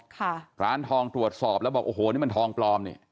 ค่ะร้านทองตรวจสอบแล้วบอกโอ้โหนี่มันทองปลอมนี่